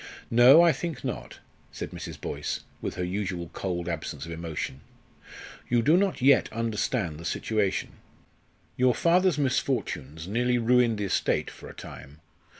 "No, I think not," said Mrs. Boyce, with her usual cold absence of emotion. "You do not yet understand the situation. Your father's misfortunes nearly ruined the estate for a time.